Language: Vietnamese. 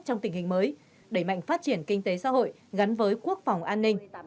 trong tình hình mới đẩy mạnh phát triển kinh tế xã hội gắn với quốc phòng an ninh